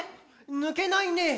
ぬけないねえ！！」